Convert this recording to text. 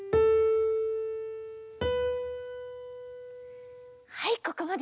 はいここまでです！